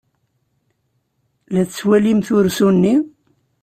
La tettwalim ursu-nni?